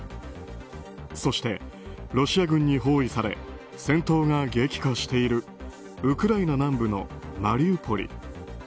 そして、ロシア軍に包囲され戦闘が激化しているウクライナ南部のマリウポリ。